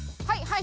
はい！